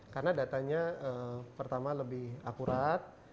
karena data nya pertama lebih akurat